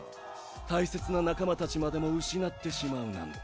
大切な仲間たちまでも失ってしまうなんて。